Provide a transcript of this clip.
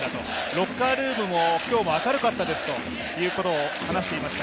ロッカールームも今日も明るかったですと話していました。